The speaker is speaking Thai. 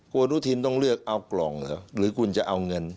คุณอนุทินต้องเลือกเอากล่องเหรอหรือคุณจะเอาเงิน